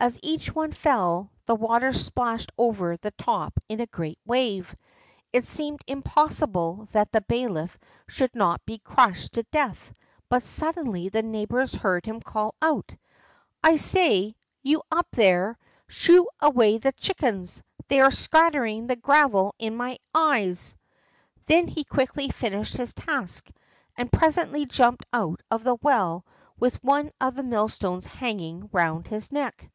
As each one fell, the water splashed over the top in a great wave. It seemed impossible that the bailiff should not be crushed to death, but suddenly the neighbors heard him call out: "I say, you up there, shoo away the chickens; they are scattering the gravel in my eyes!" Then he quickly finished his task, and presently jumped out of the well with one of the millstones hanging round his neck.